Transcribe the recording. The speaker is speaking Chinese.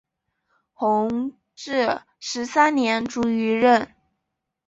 弘治十三年卒于任。